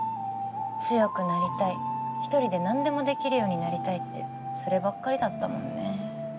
強くなりたい１人でなんでもできるようになりたいってそればっかりだったもんね。